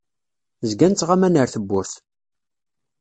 Zgan ttɣaman ar tewwurt.